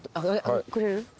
くれる？